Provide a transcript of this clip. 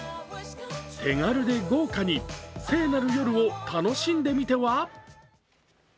手軽で豪華に、聖なる夜を楽しんでみては？